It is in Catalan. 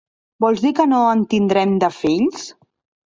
Vols dir que no en tindrem de fills?